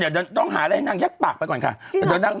เดี๋ยวต้องหาอะไรให้นางยักษ์ปากไปก่อนค่ะ